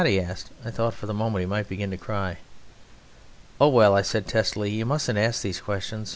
he asked. I thought for the moment he might begin to cry. "Oh, well," I said testily, "you mustn't ask those questions.